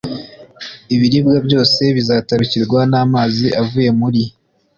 Ibiribwa byose bizatarukirwa n amazi avuye muri